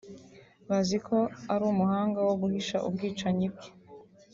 Bazi ko ari umuhanga wo guhisha ubwicanyi bwe